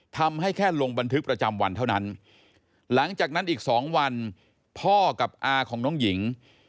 ทำให้แค่ลงบันทึกประจำวันเท่านั้นหลังจากนั้นอีกสองวันพ่อกับอาของน้องหญิง